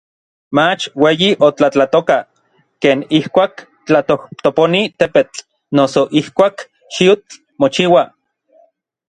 mach ueyi otlatlatoka, ken ijkuak tlatojtoponi tepetl noso ijkuak xiutl mochiua.